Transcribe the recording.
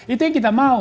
itu yang kita mau